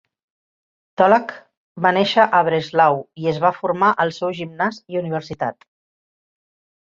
Tholuck va nàixer a Breslau i es va formar al seu gimnàs i universitat.